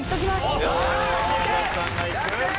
おお宮崎さんがいく。